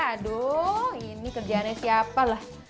aduh ini kerjaannya siapa lah